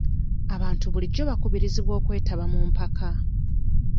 Abantu bulijjo bakubirizibwa okwetaba mu mpaka.